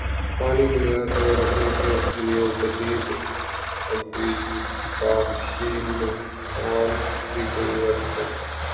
پانی کے ضیاع کو روکنے کے لیے جدید آبپاشی نظام کی ضرورت ہے